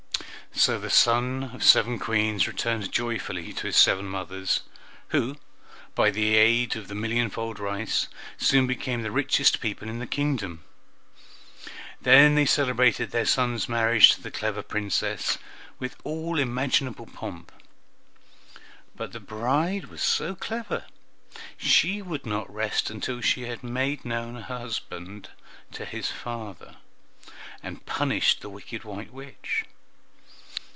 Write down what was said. So the son of seven Queens returned joyfully to his seven mothers, who, by the aid of the millionfold rice, soon became the richest people in the kingdom. Then they celebrated their son's marriage to the clever Princess with all imaginable pomp; but the bride was so clever, she would not rest until she had made known her husband to his father, and punished the wicked white witch.